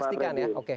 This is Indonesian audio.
sudah dipastikan ya